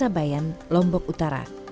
dari desa bayan lombok utara